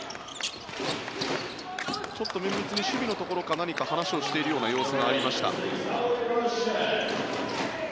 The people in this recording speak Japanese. ちょっと綿密に守備のところか何か話をしているような様子がありました。